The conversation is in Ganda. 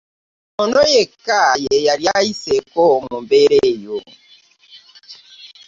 Ono yekka ye yali ayiseeko mu mbeera eyo.